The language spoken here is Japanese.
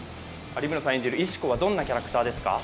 有村さん演じる石子はどんなキャラクターですか？